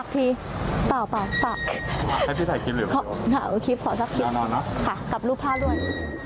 เปล่าเปล่าฝากให้พี่ถ่ายคลิปหรือเปล่าถ่ายคลิปขอซับคลิปแน่นอนนะค่ะกับรูปผ้าด้วย